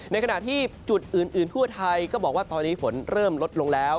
ในขณะที่จุดอื่นทั่วไทยก็บอกว่าตอนนี้ฝนเริ่มลดลงแล้ว